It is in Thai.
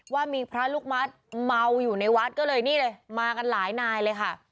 ว่ามีพระลูกมัดเมาอยู่ในวัดก็เลยนี่เลยมากันหลายนายเลยค่ะ